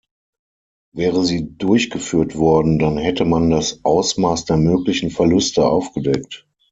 Wäre sie durchgeführt worden, dann hätte man das Ausmaß der möglichen Verluste aufgedeckt.